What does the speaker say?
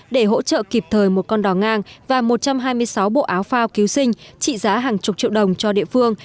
để hỗ trợ kịp thời một con đỏ ngang và một trăm hai mươi sáu bộ áo phao cứu sinh trị giá hàng chục triệu đồng cho địa phương